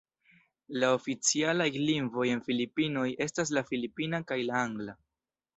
La oficialaj lingvoj en Filipinoj estas la filipina kaj la angla.